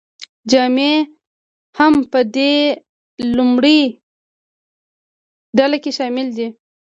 جامې هم په دې لومړۍ ډله کې شاملې دي.